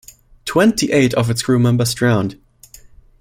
Twenty-eight of its crew members drowned.